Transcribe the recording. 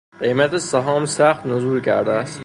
قیمت سهام سخت نزول کرده است.